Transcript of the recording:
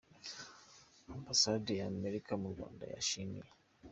Ambasade ya Amerika mu Rwanda yashimiye